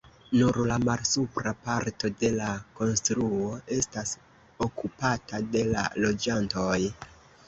Nur la malsupra parto de la konstruo estas okupata de la loĝantoj.